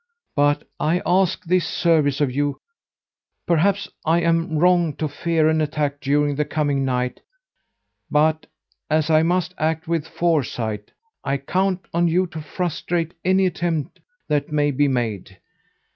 But I ask this service of you. Perhaps I am wrong to fear an attack during the coming night; but, as I must act with foresight, I count on you to frustrate any attempt that may be made.